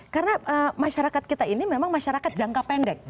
karena masyarakat kita ini memang masyarakat jangka pendek